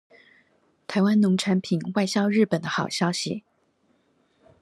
臺灣農產品外銷日本的好消息